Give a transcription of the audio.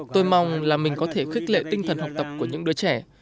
tôi mong là mình có thể khích lệ tinh thần học tập của những đứa trẻ